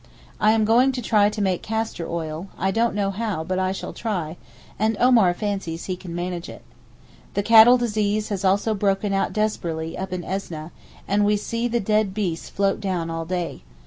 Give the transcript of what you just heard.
I am going to try to make castor oil; I don't know how, but I shall try, and Omar fancies he can manage it. The cattle disease has also broken out desperately up in Esneh, and we see the dead beasts float down all day.